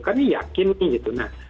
kan yakin gitu